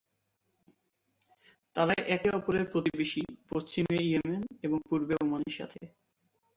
তারা একে অপরের প্রতিবেশী, পশ্চিমে ইয়েমেন এবং পূর্বে ওমানের সাথে।